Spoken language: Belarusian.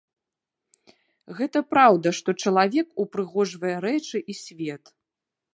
Гэта праўда, што чалавек упрыгожвае рэчы і свет.